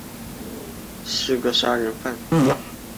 稻田仰卧秆藨草为莎草科藨草属下的一个变种。